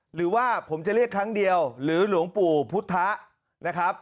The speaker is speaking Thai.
หรือว่าผมจะเรียกครั้งเดียวหรือหลวงปู่พุทธะนะครับ